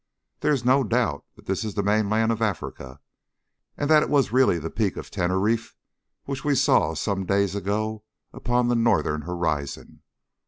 There is no doubt that this is the mainland of Africa, and that it was really the Peak of Teneriffe which we saw some days ago upon the northern horizon.